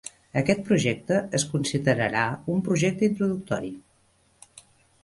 Aquest projecte es considerarà un projecte introductori.